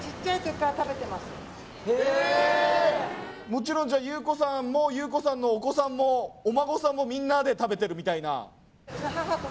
もちろんじゃあ優子さんも優子さんのお子さんもお孫さんもみんなで食べてるみたいな